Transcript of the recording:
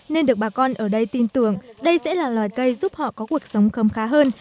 nên được bà con ở đây tin tưởng đây sẽ là loài cây giúp họ có cuộc sống khâm khá hơn